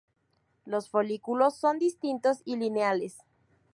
Los folículos son distintos y lineales.